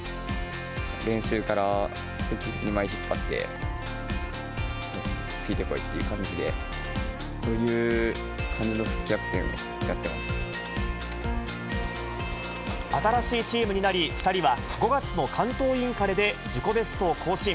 練習から積極的に前引っ張って、ついてこいっていう感じで、そういう感じの副キャプテンをや新しいチームになり、２人は５月の関東インカレで自己ベストを更新。